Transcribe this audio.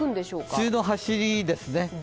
梅雨の走りですね。